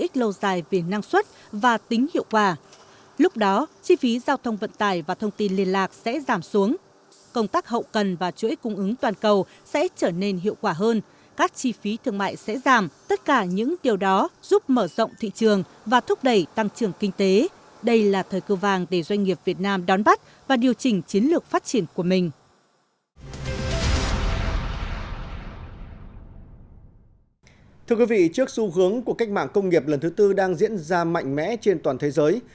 thưa quý vị trước xu hướng của cách mạng công nghiệp lần thứ tư đang diễn ra mạnh mẽ trên toàn thế giới